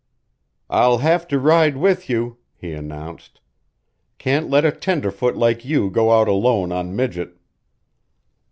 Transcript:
"I'll have to ride with you," he announced. "Can't let a tenderfoot like you go out alone on Midget."